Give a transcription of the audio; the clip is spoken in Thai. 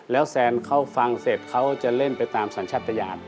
แล้วแซนเขาฟังเสร็จเขาจะเล่นไปตามสัญชาติยาน